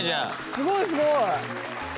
すごいすごい。